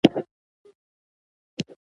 زه د ناکام ډاونلوډ له سره کوم.